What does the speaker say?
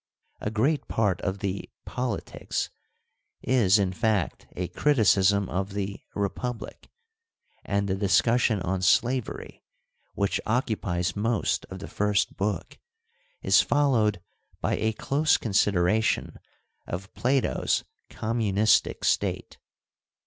A great part of the Politics is, in fact, a criticism of the Republic, and the dis cussion on slavery, which occupies most of the first book, is followed by a close consideration of Plato's communistic State.